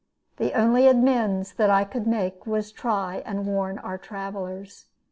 The only amends that I could make was to try and warn our travelers.